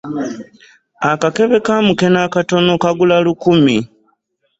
Akakebe kamukene akatono kagula lukumi.